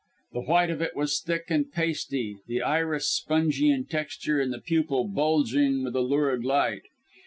The white of it was thick and pasty, the iris spongy in texture, and the pupil bulging with a lurid light.